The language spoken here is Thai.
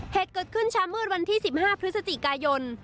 เหตุเกิดขึ้นเช้ามืดวันที่๑๕พฤศจิกายน